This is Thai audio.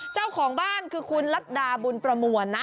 เจ้าของบ้านคือคุณรัฐดาบุญประมวลนะ